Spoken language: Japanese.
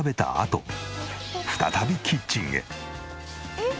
「えっ？」